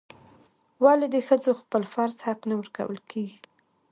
ولې د ښځو خپل فرض حق نه ورکول کیږي؟